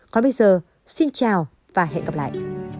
còn bây giờ xin chào và hẹn gặp lại